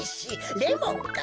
レモンか。